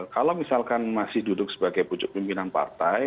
kalau misalkan masih duduk sebagai pucuk pimpinan partai